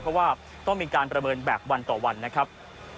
เพราะว่าต้องมีการประเมินแบบวันต่อวันนะครับ